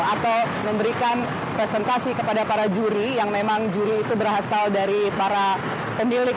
atau memberikan presentasi kepada para juri yang memang juri itu berasal dari para pemilik